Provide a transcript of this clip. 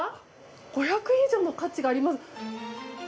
５００円以上の価値があります！